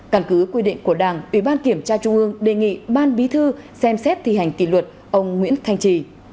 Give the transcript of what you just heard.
căn cứ quy định của đảng ủy ban kiểm tra trung ương đề nghị ban bí thư xem xét thi hành kỷ luật ông nguyễn thanh trì